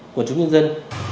của chúng nhân dân